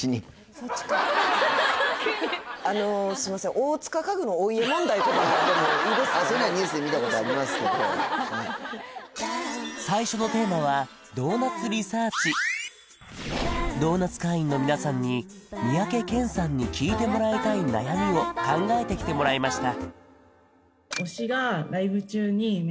そういうのはニュースで見たことありますけど最初のテーマはドーナツ会員の皆さんに三宅健さんに聞いてもらいたい悩みを考えてきてもらいました